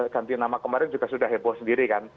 ganti nama kemarin juga sudah heboh sendiri kan